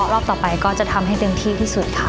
รอบต่อไปก็จะทำให้เต็มที่ที่สุดค่ะ